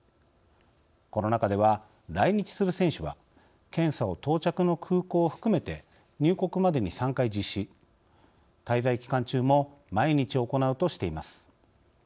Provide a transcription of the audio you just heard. この中では来日する選手は検査を到着の空港を含めて入国までに３回実施滞在期間中も毎日行うとしています。